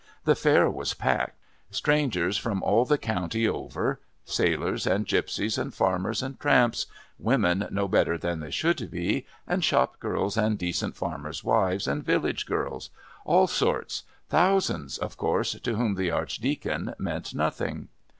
The Fair was packed; strangers from all the county over, sailors and gipsies and farmers and tramps, women no better than they should be, and shop girls and decent farmers' wives, and village girls all sorts! Thousands, of course, to whom the Archdeacon meant nothing.